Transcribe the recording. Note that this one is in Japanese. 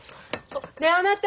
ねえあなた！